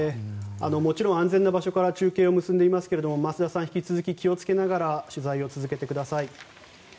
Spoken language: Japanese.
もちろん、安全な場所から中継を結んでいますけれども増田さん引き続き気を付けながら取材を続けてください。